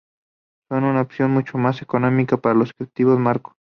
Son una opción mucho más económica que los objetivos macro.